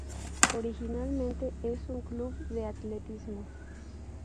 Originalmente es un club de atletismo.